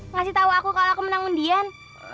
ngasih tau aku kalo aku menang undian